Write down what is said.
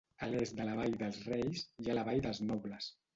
A l'est de la vall dels Reis, hi ha la vall dels nobles.